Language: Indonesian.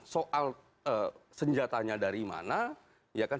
soal senjatanya dari mana